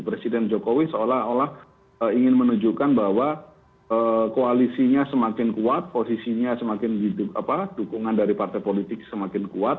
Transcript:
presiden jokowi seolah olah ingin menunjukkan bahwa koalisinya semakin kuat posisinya semakin dukungan dari partai politik semakin kuat